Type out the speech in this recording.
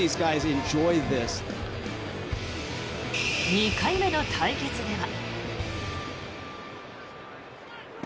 ２回目の対決では。